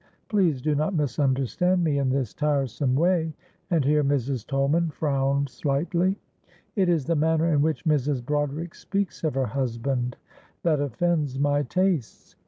Please do not misunderstand me in this tiresome way," and here Mrs. Tolman frowned slightly. "It is the manner in which Mrs. Broderick speaks of her husband that offends my tastes.